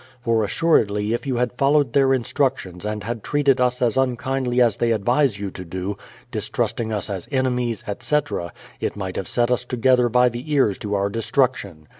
For assuredly if you had followed their instructions, and had treated us as un kindly as they advise j^ou to, distrusting us as enemies, etc., it might have set us together by the ears to our destruction.